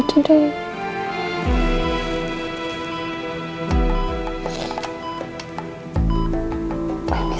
bagaimana hari ini